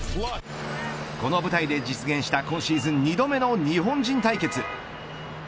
この舞台で実現した今シーズン２度目の日本人対決。